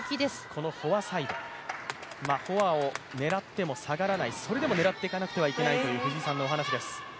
このフォアサイド、フォアを狙っても下がらない、それでも狙っていかなくてはいけないという藤井さんのお話です。